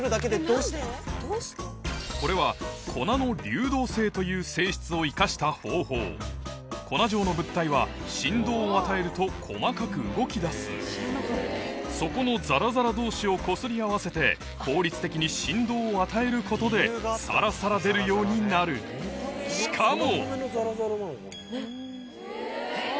これは粉の流動性という性質を生かした方法粉状の物体は底のザラザラ同士をこすり合わせて効率的に振動を与えることでサラサラ出るようになるしかも！